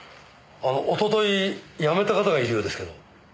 あのおととい辞めた方がいるようですけど。